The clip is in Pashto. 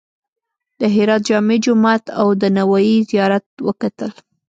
د هرات جامع جومات او د نوایي زیارت وکتل.